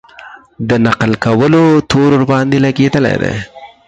د نقل کولو تور ورباندې لګېدلی دی.